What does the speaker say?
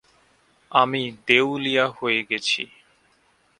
আমি দেউলিয়া হয়ে গেছি।